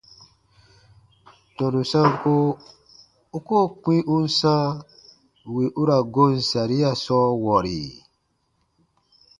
Tɔnu sanko u koo kpĩ u n sãa wì u ra goon saria sɔɔ wɔri?